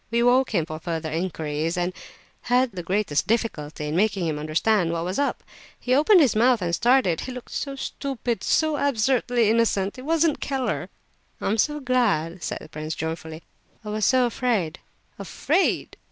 We awoke him for further inquiries, and had the greatest difficulty in making him understand what was up. He opened his mouth and stared—he looked so stupid and so absurdly innocent. It wasn't Keller." "Oh, I'm so glad!" said the prince, joyfully. "I was so afraid." "Afraid!